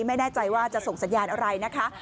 ไม่แน่ใจว่าจะส่งสัญญาณอะไรนะคะ